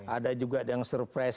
ada juga yang surprise